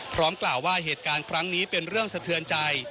กล่าวว่าเหตุการณ์ครั้งนี้เป็นเรื่องสะเทือนใจ